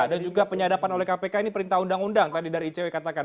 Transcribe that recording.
dan juga penyadapan oleh kpk ini perintah undang undang tadi dari icw katakan